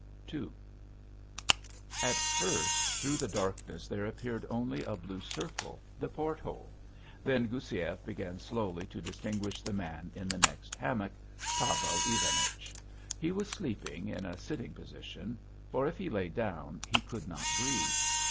II At first through the darkness there appeared only a blue circle, the port hole, then Goussiev began slowly to distinguish the man in the next hammock, Pavel Ivanich. He was sleeping in a sitting position, for if he lay down he could not breathe.